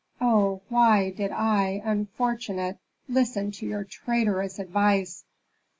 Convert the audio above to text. Oh, why did I, unfortunate, listen to your traitorous advice!"